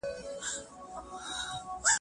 غم بې اوښکو نه وي.